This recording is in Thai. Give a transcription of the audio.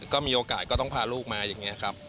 ก็มีโอกาสก็ต้องพาลูกมาอย่างนี้ครับ